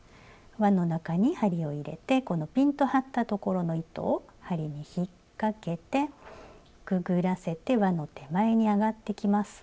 わの中に針を入れてこのピンと張ったところの糸を針に引っ掛けてくぐらせてわの手前に上がってきます。